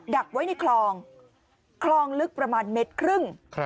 ักไว้ในคลองคลองลึกประมาณเมตรครึ่ง